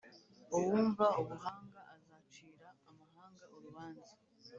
Uwumva ubuhanga azacira amahanga urubanza,